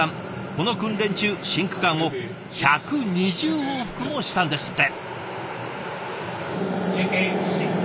この訓練中新区間を１２０往復もしたんですって。